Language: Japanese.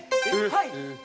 はい。